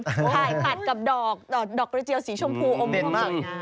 ถ่ายตัดกับดอกกระเจียวสีชมพูโอ้มเพียงผสม